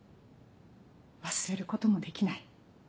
忘れることもできない。